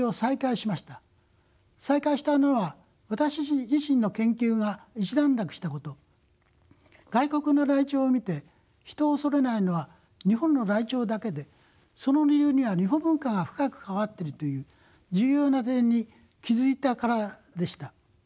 再開したのは私自身の研究が一段落したこと外国のライチョウを見て人を恐れないのは日本のライチョウだけでその理由には日本文化が深く関わっているという重要な点に気付いたからでした。